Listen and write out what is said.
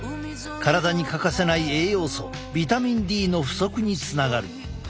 体に欠かせない栄養素ビタミンＤの不足につながる。